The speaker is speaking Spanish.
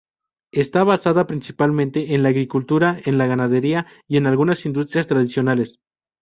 Está basada principalmente en la agricultura, en la ganadería, y algunas industrias tradicionales.